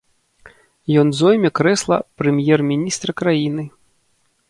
Ён зойме крэсла прэм'ер-міністра краіны.